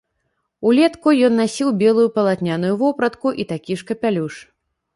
Улетку ён насіў белую палатняную вопратку і такі ж капялюш.